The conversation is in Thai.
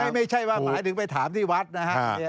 ไม่ใช่ว่าหมายถึงไปถามที่วัดนะครับ